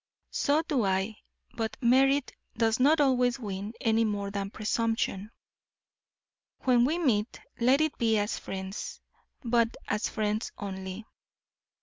So do I, but merit does not always win, any more than presumption. When we meet, let it be as friends, but as friends only.